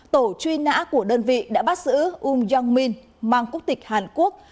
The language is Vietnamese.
tổ truy nã của đơn vị đã bắt giữ um jong min mang quốc tịch hàn quốc